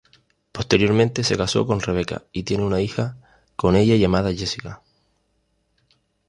Posteriormente se casó con Rebecca, y tiene una hija con ella llamada Jessica.